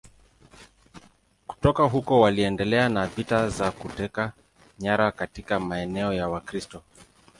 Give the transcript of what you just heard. Kutoka huko waliendelea na vita za kuteka nyara katika maeneo ya Wakristo.